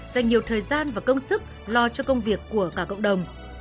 dành nhiều thời gian và công sức lo cho công việc của cả cộng đồng